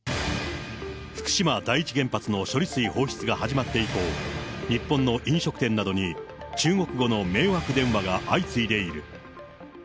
福島第一原発の処理水放出が始まって以降、日本の飲食店などに中国語の迷惑電話が相次いでいる。